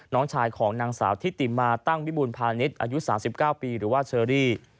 น้องชายของนางสาวทิติมาตั้งวิบูรพาณิชย์อายุ๓๙ปีหรือว่าเชอรี่